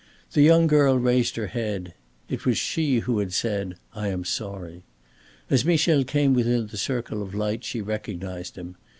The young girl raised her head. It was she who had said, "I am sorry." As Michel came within the circle of light she recognized him.